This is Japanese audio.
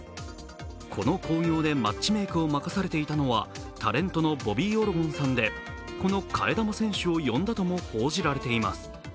この興行でマッチメークを任されていたのはタレントのボビー・オロゴンさんでこの替え玉選手を呼んだとも報じられています。